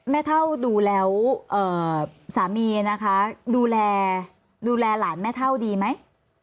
แม่เถ้าดูแลสามีนะคะดูแลหลานแม่เถ้าดีไหม